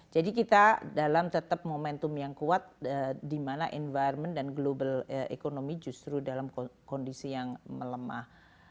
jadi kita dalam tetap momentum yang kuat di mana environment dan global economy justru dalam kondisi yang melemah